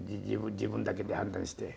自分だけで判断して。